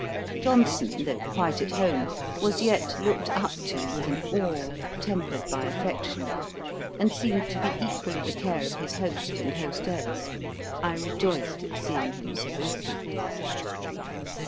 Johnson, though quite at home, was yet looked up to with an awe, tempered by affection, and seemed to be equally the care of his host and hostess. I rejoiced at seeing him so happy.